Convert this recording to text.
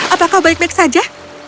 apa kau baik baik saja